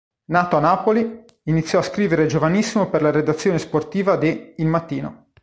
Nato a Napoli, iniziò a scrivere giovanissimo per la redazione sportiva de Il Mattino.